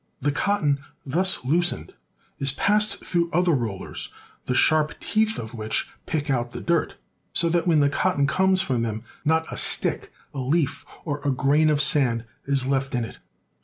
The cotton thus loosened is passed through other rollers the sharp teeth of which pick out the dirt, so that when the cotton comes from them not a stick, a leaf, or a grain of sand is left in it.